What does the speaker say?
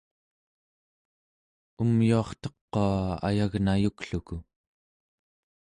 umyuartequa ayagnayukluku